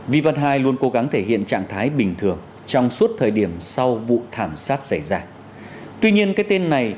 vì văn hai luôn cố gắng thể hiện trạng thái bình thường trong suốt thời điểm sau vụ thảm sát xảy ra